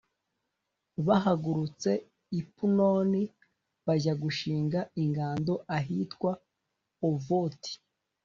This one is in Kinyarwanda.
bahagurutse i punoni bajya gushinga ingando ahitwa ovoti.